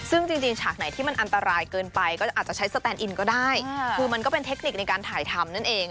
ซึ่งจริงฉากไหนที่มันอันตรายเกินไปก็อาจจะใช้สแตนอินก็ได้คือมันก็เป็นเทคนิคในการถ่ายทำนั่นเอง